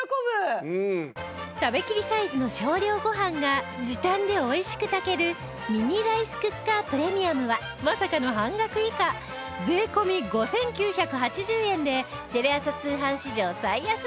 食べきりサイズの少量ご飯が時短で美味しく炊けるミニライスクッカープレミアムはまさかの半額以下税込５９８０円でテレ朝通販史上最安値